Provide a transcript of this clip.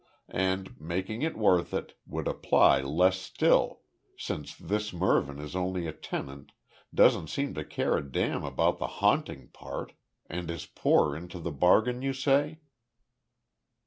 And making it worth it, would apply less still, since this Mervyn is only a tenant, doesn't seem to care a damn about the haunting part, and is poor into the bargain you say?"